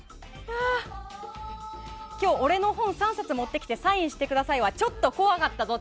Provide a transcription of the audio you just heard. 俺の本、３冊持ってきてサインくださいはちょっと怖かったぞ。